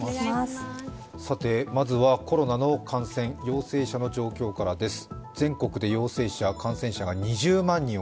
まずはコロナの感染、陽性者の状況からです。